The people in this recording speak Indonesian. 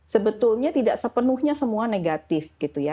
sebetulnya tidak sepenuhnya semua negatif gitu ya